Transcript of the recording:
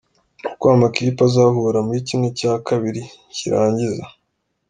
Uko amakipe azahura muri ½ cy’irangiza.